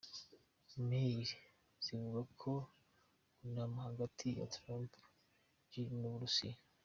Mail 'zivuga ku nama hagati ya Trump Jr n'Uburusiya'.